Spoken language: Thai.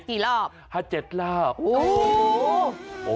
กี่รอบห้าเจ็ดรอบโอ้โห